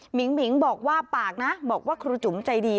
หมิงบอกว่าปากนะบอกว่าครูจุ๋มใจดี